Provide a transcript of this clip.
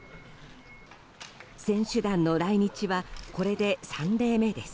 選手団の来日はこれで３例目です。